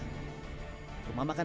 jangan lupa lembah harau